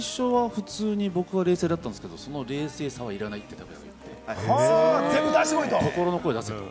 最初、僕は冷静だったんですけれども、その冷静さはいらないって卓弥くんが言って、心の声出せ！と。